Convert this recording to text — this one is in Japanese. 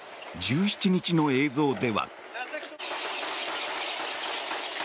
１７日の映像では。